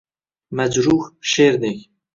Majruh sherdek